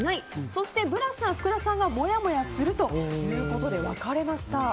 そしてブラスさん、福田さんがもやもやするということで分かれました。